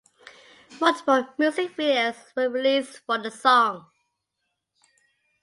Multiple music videos were released for the song.